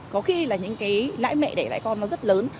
có khi là những cái lãi mẹ để lãi con nó rất lớn